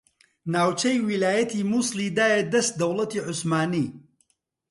ناوچەی ویلایەتی موسڵی دایە دەست دەوڵەتی عوسمانی